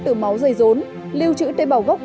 từ máu dây rốn lưu trữ tế bào gốc